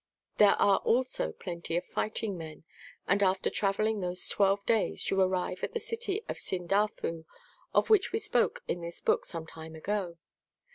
There are also plenty of fighting men. And after travelling those 12 days you arrive at the city of Sindafu of which we spoke in this book some time ago.